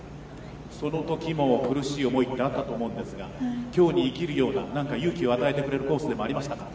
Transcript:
そのときも苦しい思いってあったと思うんですが、きょうに生きるような何か勇気を与えてくれるようなコースでもありましたか。